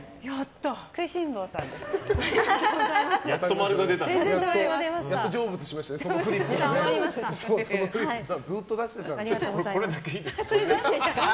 食いしん坊さんだから。